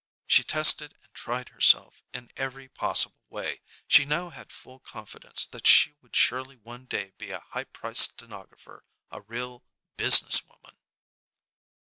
She tested and tried herself in every possible way. She now had full confidence that she would surely one day be a high priced stenographer, a real "business woman."